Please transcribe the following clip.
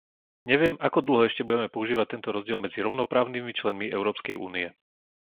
Neviem, ako dlho ešte budeme používať tento rozdiel medzi rovnoprávnymi členmi Európskej únie.